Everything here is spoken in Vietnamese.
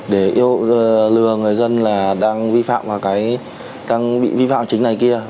để lừa người dân là đang vi phạm vào cái trang bị vi phạm chính này kia